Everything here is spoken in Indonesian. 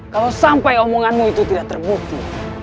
kalau sampai omonganmu itu tidak terbukti